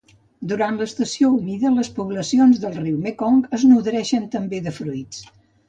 Durant l'estació humida, les poblacions del riu Mekong es nodreixen també de fruits.